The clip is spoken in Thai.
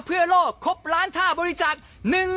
พร้อมให้พัน